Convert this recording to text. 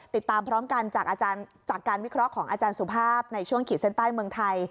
ติดตามพร้อมกันจากอาจารย์จากการวิเคราะห์ของอาจารย์สุภาพในช่วงขีดเส้นใต้เมืองไทย